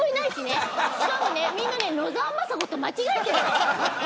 しかも、みんな野沢雅子と間違えてるの。